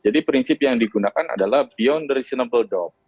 jadi prinsip yang digunakan adalah beyond reasonable doubt